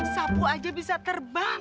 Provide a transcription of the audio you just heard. sabu aja bisa terbang